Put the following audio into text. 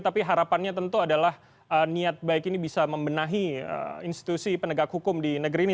tapi harapannya tentu adalah niat baik ini bisa membenahi institusi penegak hukum di negeri ini